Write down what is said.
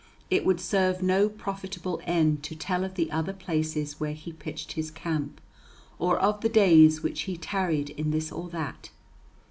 It would serve no profitable end to tell of the other places where he pitched his camp, or of the days which he tarried in this or that.